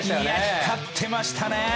光ってましたね。